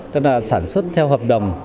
tức là sản xuất theo hợp đồng